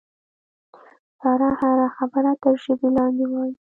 ساره هره خبره تر ژبې لاندې وایي.